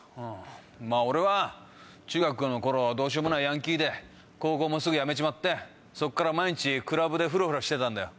俺は中学の頃どうしようもないヤンキーで高校もすぐやめちまってそっから毎日クラブでふらふらしてたんだよ。